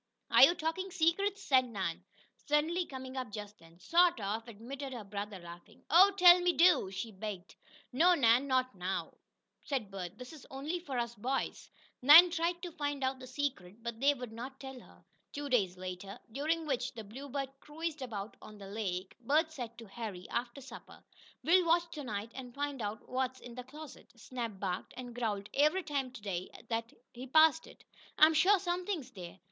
"Are you talking secrets?" asked Nan, suddenly coming up just then. "Sort of," admitted her brother, laughing. "Oh, tell me do!" she begged. "No, Nan. Not now," said Bert. "This is only for us boys." Nan tried to find out the secret, but they would not tell her. Two days later, during which the Bluebird cruised about on the lake, Bert said to Harry, after supper: "We'll watch to night, and find out what's, in that closet. Snap barked and growled every time to day, that he passed it. I'm sure something's there."